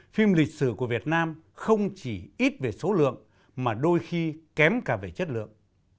phim lịch sử của việt nam không chỉ ít về số lượng mà đôi khi kém cả về chất lượng